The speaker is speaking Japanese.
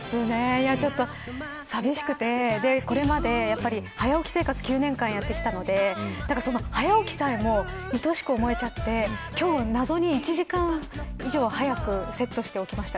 ちょっと寂しくてこれまで早起き生活９年間やってきたので早起きさえも愛しく思えちゃって今日、謎に１時間以上早くセットして起きました。